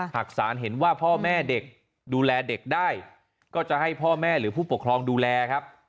หากศาลเห็นว่าพ่อแม่เด็กดูแลเด็กได้ก็จะให้พ่อแม่หรือผู้ปกครองดูแลครับ